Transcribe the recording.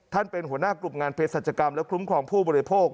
เป็นหัวหน้ากลุ่มงานเพศสัจกรรมและคุ้มครองผู้บริโภค